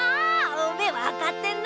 おめえわかってんな！